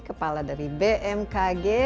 kepala dari bmkg